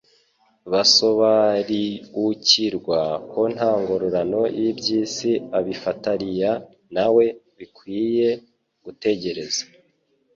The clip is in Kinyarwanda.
basobariukirwa ko nta ngororano y'iby'isi abifatariya na we bakwinye gutegereza.